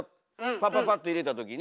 パパパッと入れたときに。